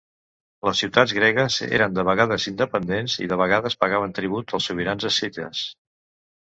Les ciutats gregues eren de vegades independents i de vegades pagaven tribut als sobirans escites.